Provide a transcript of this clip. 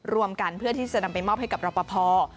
รวมกันเพื่อนำมาให้รกพอ